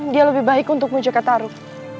dia lebih baik untukmu jaka taruk